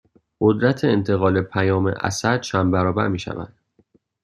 قدرت انتقال پیام اثر چند برابر می شود